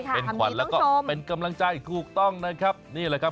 เป็นขวัญแล้วก็เป็นกำลังใจถูกต้องนะครับนี่แหละครับ